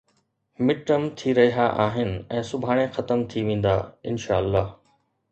midterm ٿي رهيا آهن ۽ سڀاڻي ختم ٿي ويندا، انشاء الله